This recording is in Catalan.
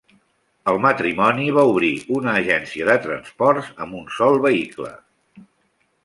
El matrimoni va obrir una agència de transports amb un sol vehicle.